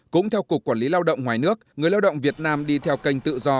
cũng theo cục quản lý lao động ngoài nước người lao động việt nam đi theo kênh tự do